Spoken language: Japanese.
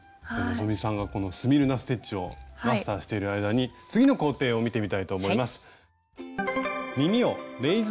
希さんがこのスミルナ・ステッチをマスターしている間に次の工程を見てみたいと思います。